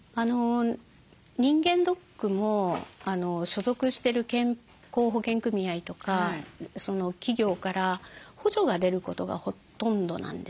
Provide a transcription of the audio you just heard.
人間ドックも所属してる健康保険組合とか企業から補助が出ることがほとんどなんですね。